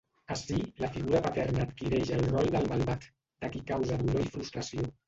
Ací, la figura paterna adquireix el rol del malvat, de qui causa dolor i frustració.